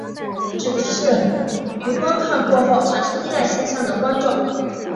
指的是于观看过后产生依赖现象的观众。